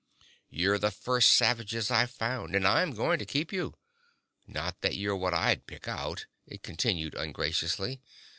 "You're the first savages I've found and I'm going to keep you. Not that you're what I'd pick out," it continued ungraciously.